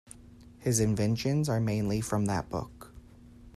His inventions are mainly from that book.